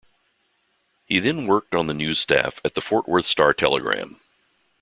He then worked on the news staff at the Fort Worth Star-Telegram.